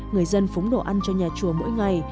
người dân phúng đồ ăn cho nhà chùa mỗi ngày